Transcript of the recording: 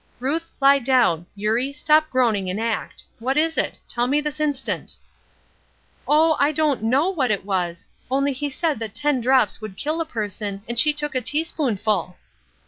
"Ruth, lie down; Eurie, stop groaning and act. What was it? Tell me this instant." "Oh, I don't know what it was, only he said that ten drops would kill a person, and she took a tea spoonful."